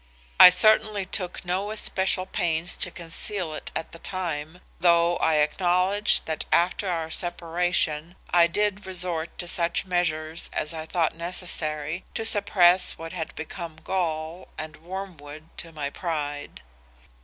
I certainly took no especial pains to conceal it at the time, though I acknowledge that after our separation I did resort to such measures as I thought necessary, to suppress what had become gall and wormwood to my pride.